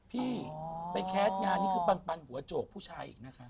พี่ไปแคสต์งานนี่คือปันหัวโจกผู้ชายอีกนะคะ